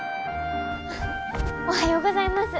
おはようございます。